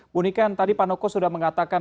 bunikan tadi pak noko sudah mengatakan